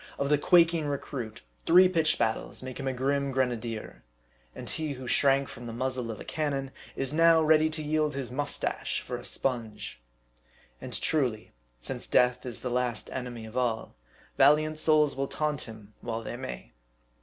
Of the quaking recruit, three pitched battles make a grim grenadier ; and he who shrank from the muzzle of a cannon, is now ready to yield his mustache for a sponge. And truly, since death is the last enemy of all, valiant souls will taunt him while they may.